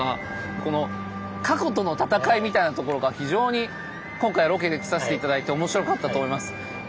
この過去との闘いみたいなところが非常に今回ロケで来させて頂いて面白かったと思います。